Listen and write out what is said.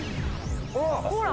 ほら！